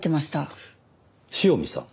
塩見さん？